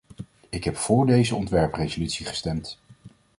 Ik heb vóór deze ontwerpresolutie gestemd.